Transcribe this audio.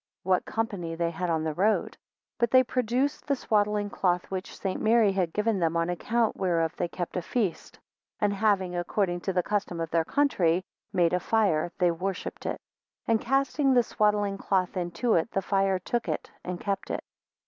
What Company they had on the road? 5 But they produced the swaddling cloth which St. Mary had given them, on account whereof they kept a feast. 6 And having, according to the custom of their country, made a fire, they worshipped it. 7 And casting the swaddling cloth into it, the fire took it and kept it.